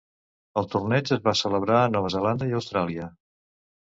El torneig es va celebrar a Nova Zelanda i Austràlia.